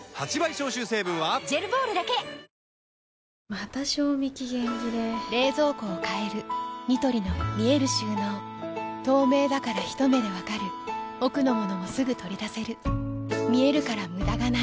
また賞味期限切れ冷蔵庫を変えるニトリの見える収納透明だからひと目で分かる奥の物もすぐ取り出せる見えるから無駄がないよし。